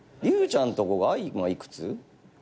隆ちゃんとこが今幾つ？